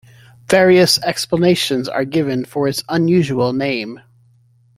Various explanations are given for its unusual name.